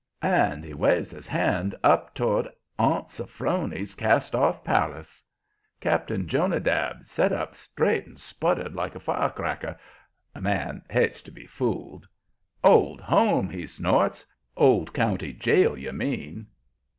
And he waves his hand up toward Aunt Sophrony's cast off palace. Cap'n Jonadab set up straight and sputtered like a firecracker. A man hates to be fooled. "Old home!" he snorts. "Old county jail, you mean!"